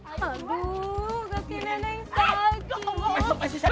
aduh gak tine neng kagum